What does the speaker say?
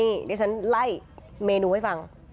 นี่ดิฉันไล่เมนูให้ฟัง